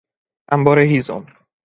انبار هیزم